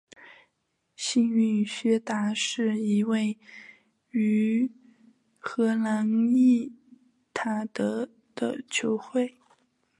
幸运薛达是一个位于荷兰锡塔德的球会。